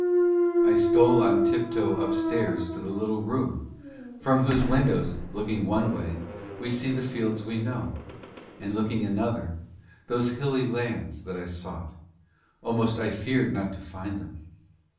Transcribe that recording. I stole on tiptoe upstairs to the little room from whose windows, looking one way, we see the fields we know and, looking another, those hilly lands that I sought almost I feared not to find them.